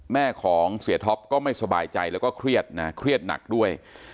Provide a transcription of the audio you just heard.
แม่ของเสียท็อปก็ไม่สบายใจแล้วก็เครียดนะเครียดหนักด้วย